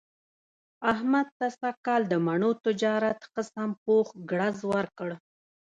احمد ته سږ کال د مڼو تجارت ښه سم پوخ ګړز ورکړ.